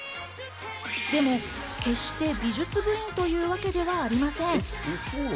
でも決して美術部員というわけではありません。